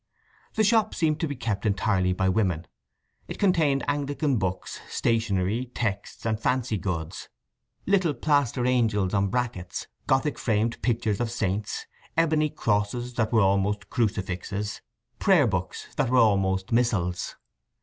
The shop seemed to be kept entirely by women. It contained Anglican books, stationery, texts, and fancy goods: little plaster angels on brackets, Gothic framed pictures of saints, ebony crosses that were almost crucifixes, prayer books that were almost missals.